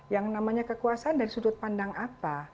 yang namanya kekuasaan dari sudut pandang apa